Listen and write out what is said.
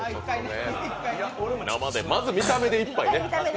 まず見た目で１杯ね。